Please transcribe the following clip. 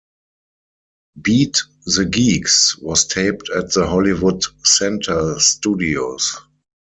"Beat the Geeks" was taped at the Hollywood Center Studios.